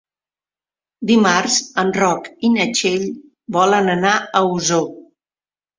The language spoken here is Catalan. Dimarts en Roc i na Txell volen anar a Osor.